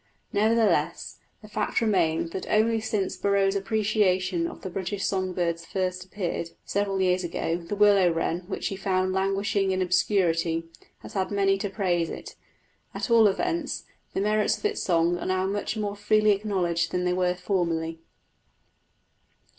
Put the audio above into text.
Nevertheless, the fact remains that only since Burroughs' appreciation of the British song birds first appeared, several years ago, the willow wren, which he found languishing in obscurity, has had many to praise it. At all events, the merits of its song are now much more freely acknowledged than they were formerly.